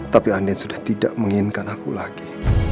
tapi andel sudah tidak menginginkan aku lagi